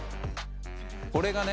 これがね